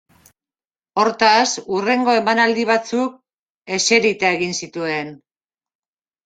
Hortaz, hurrengo emanaldi batzuk eserita egin zituen.